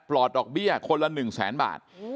ลอดดอกเบี้ยคนละ๑แสนบาท